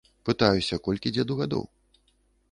Пытаюся, колькі дзеду гадоў?